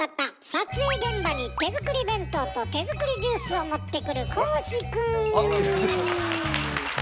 撮影現場に手作り弁当と手作りジュースを持ってくるよろしくお願いします。